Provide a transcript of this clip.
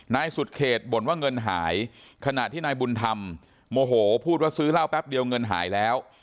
นายสุดเขตบ่นว่าเงินหายขณะที่นายบุญธรรมโมโหพูดว่าซื้อเหล้าแป๊บเดียวเงินหายแล้ว